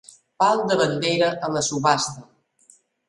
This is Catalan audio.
Pal de bandera a la subhasta.